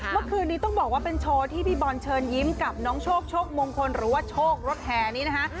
เมื่อคืนนี้ต้องบอกว่าเป็นโชว์ที่พี่บอลเชิญยิ้มกับน้องโชคโชคมงคลหรือว่าโชครถแห่นี้นะคะ